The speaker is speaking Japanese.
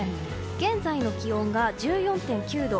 現在の気温が１４．９度。